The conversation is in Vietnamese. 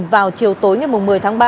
vào chiều tối ngày một mươi tháng ba